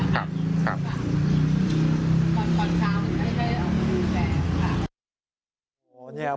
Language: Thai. ก่อนตอนจะได้ออกพระดูกแบบ